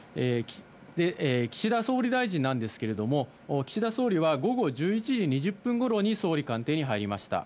岸田総理大臣なんですけれども岸田総理は午後１１時２０分ごろ総理官邸に入りました。